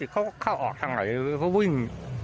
เขาเข้าออกทางไหนเขาวิ่ง